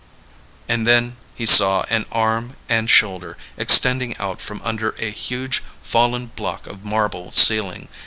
And then he saw an arm and shoulder extending out from under a huge fallen block of marble ceiling.